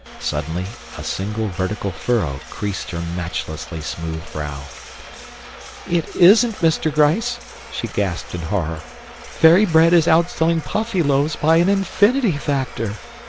Suddenly a single vertical furrow creased her matchlessly smooth brow. "It isn't, Mr. Gryce!" she gasped in horror. "Fairy Bread is outselling Puffyloaves by an infinity factor.